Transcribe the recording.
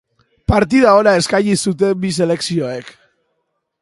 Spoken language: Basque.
Partida ona eskaini zuten bi selekzioek.